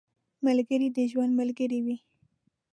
ملګری د ژوند ملګری وي